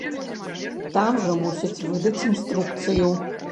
Там жа мусяць выдаць інструкцыю.